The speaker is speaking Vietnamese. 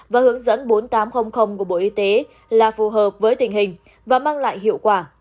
và hướng dẫn bốn nghìn tám trăm linh của bộ y tế là phù hợp với tình hình và mang lại hiệu quả